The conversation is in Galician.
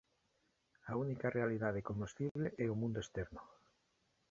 A única realidade cognoscible é o mundo externo.